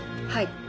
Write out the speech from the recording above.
はい。